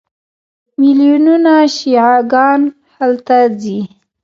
میلیونونه شیعه ګان هلته ځي.